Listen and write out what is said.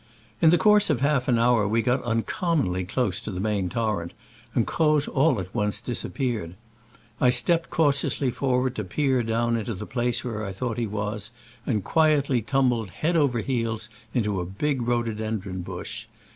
In the course of half an hour we got uncommonly close to the main torrent, and Croz all at once disappeared. I stepped cau tiously forward to peer down into the place where I thought he was, and quiet ly tumbled head over heels into a big rhododendron bush.